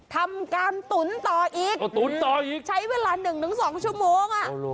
ทำการตุ๋นต่ออีกเอาตุ๋นต่ออีกใช้เวลาหนึ่งถึงสองชั่วโมงอ่ะ